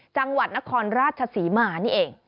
จังหวัดนครราชศรีมานี่เอง